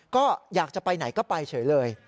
ก็อยากจะไปไหนก็ไปเฉยเลย